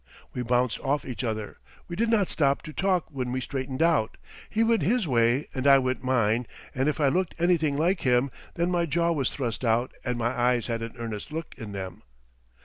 We bounced off each other. We did not stop to talk when we straightened out. He went his way and I went mine, and if I looked anything like him, then my jaw was thrust out and my eyes had an earnest look in them.